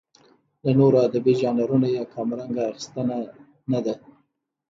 له نورو ادبي ژانرونو یې کمرنګه اخیستنه نه ده.